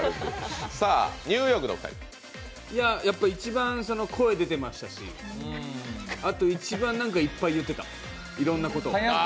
一番声出てましたし、あと一番何かいっぱい言ってたいろんなことを。